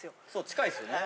近いっすよね。